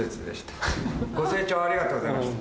ご静聴ありがとうございました。